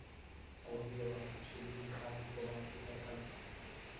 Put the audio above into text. কহিল, মা, কিছুদিন আমি তোমার এখানে থাকব।